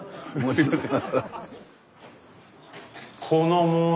すいません。